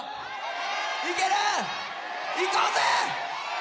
いける？いこうぜ！